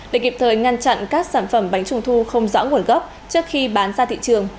để kịp thời ngăn chặn các sản phẩm bánh trung thu không rõ nguồn gốc trước khi bán ra thị trường